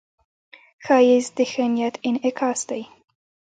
ښایست د ښه نیت انعکاس دی